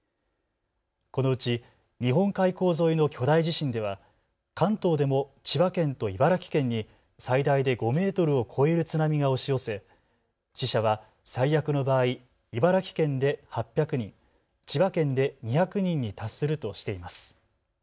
このうち日本海溝沿いの巨大地震では関東でも千葉県と茨城県に最大で５メートルを超える津波が押し寄せ、死者は最悪の場合、茨城県で８００人、千葉県で２００人に達するとしています。